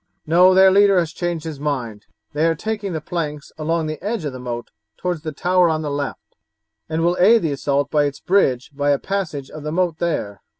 No, their leader has changed his mind, they are taking the planks along the edge of the moat towards the tower on the left, and will aid the assault by its bridge by a passage of the moat there."